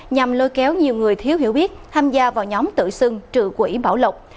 nhằm lôi kéo nhiều người thiếu hiểu biết tham gia vào nhóm tự xưng trự quỷ bảo lộc